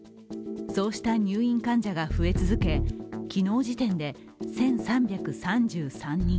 そうした入院患者が増え続け、昨日時点で１３３３人。